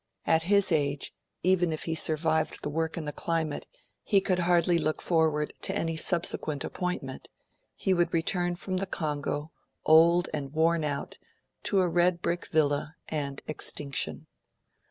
At his age, even if he survived the work and the climate, he could hardly look forward to any subsequent appointment; he would return from the Congo, old and worn out, to a red brick villa and extinction.